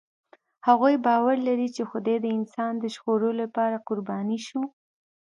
هغوی باور لري، چې خدای د انسان د ژغورلو لپاره قرباني شو.